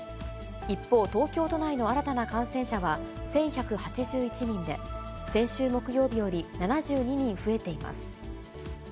一方、東京都内の新たな感染者は１１８１人で、先週木曜日より７２人増えています。